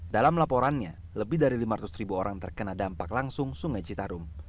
dalam laporannya lebih dari lima ratus ribu orang terkena dampak langsung sungai citarum